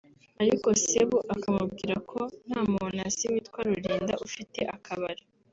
ariko Sebu akamubwira ko nta muntu azi witwa Rulinda ufite akabari